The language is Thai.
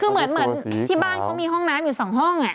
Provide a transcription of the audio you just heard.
คือเหมือนที่บ้านเขามีห้องน้ำอยู่๒ห้อง